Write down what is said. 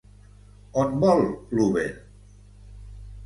On vol l'Uber?